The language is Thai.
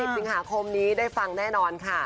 สิบอาทิตย์สหาคมนี้ได้ฟังแน่นอนค่ะ